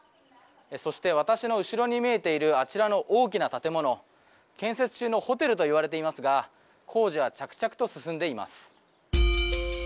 そして、私の後ろに見えている大きな建物、建設中のホテルといわれていますが工事が着々と進んでいます。